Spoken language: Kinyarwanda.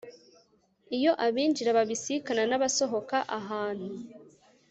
iyo abinjira babisikana n'abasohoka ahantu